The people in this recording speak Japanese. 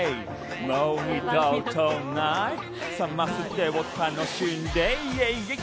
もう二度とないサマステを楽しんでいえいえいえい！